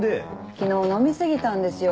昨日飲み過ぎたんですよ